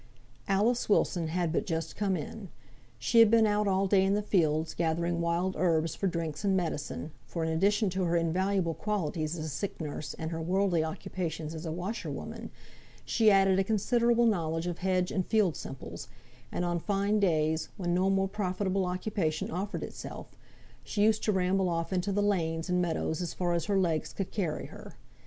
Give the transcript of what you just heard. Alice Wilson had but just come in. She had been out all day in the fields, gathering wild herbs for drinks and medicine, for in addition to her invaluable qualities as a sick nurse and her worldly occupation as a washerwoman, she added a considerable knowledge of hedge and field simples; and on fine days, when no more profitable occupation offered itself, she used to ramble off into the lanes and meadows as far as her legs could carry her.